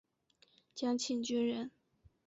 蒋庆均人。